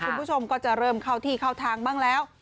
คุณผู้ชมก็จะเริ่มเข้าที่เข้าทางบ้างแล้ว